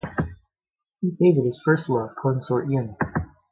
He favored his first love, Consort Yin.